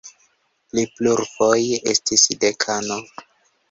Li plurfoje estis dekano.